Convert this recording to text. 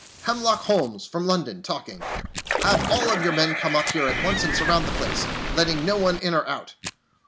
Hemlock Holmes, from London, talking. Have all your men come up here at once and surround the place, letting no one in or out!...